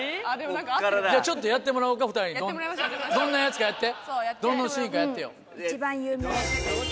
どんなやつかやって。